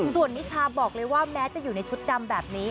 ส่วนนิชาบอกเลยว่าแม้จะอยู่ในชุดดำแบบนี้